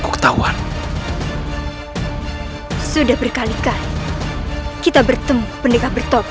kuktawan sudah berkalikan kita bertemu pendekat bertopeng